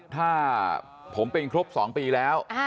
ถ้าผมเป็นครบ๒ปีแล้ว